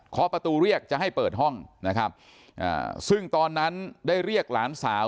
ขอประตูเรียกจะให้เปิดห้องนะครับซึ่งตอนนั้นได้เรียกหลานสาว